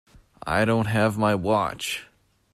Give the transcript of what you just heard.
I don't have my watch.